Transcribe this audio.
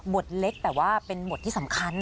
เล็กแต่ว่าเป็นบทที่สำคัญ